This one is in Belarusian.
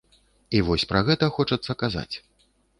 І вось пра гэта хочацца казаць.